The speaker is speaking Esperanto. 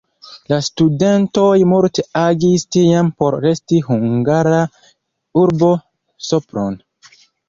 La studentoj multe agis tiam por resti hungara urbo Sopron.